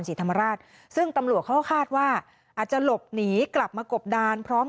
ศรีธรรมราชซึ่งตำรวจเขาก็คาดว่าอาจจะหลบหนีกลับมากบดานพร้อม